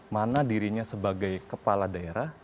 mana dirinya sebagai kepala daerah